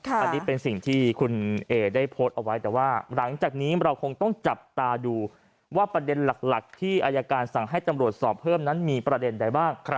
อันนี้เป็นสิ่งที่คุณเอได้โพสต์เอาไว้แต่ว่าหลังจากนี้เราคงต้องจับตาดูว่าประเด็นหลักที่อายการสั่งให้ตำรวจสอบเพิ่มนั้นมีประเด็นใดบ้าง